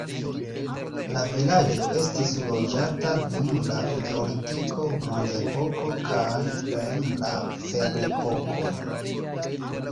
La vilaĝo estis loĝata dum la neolitiko, bronzepoko kaj en la ferepoko.